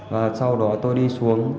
và sau đó tôi đi xuống